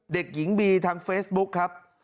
เด็กหญิงบีทางเฟซบุ๊คครับ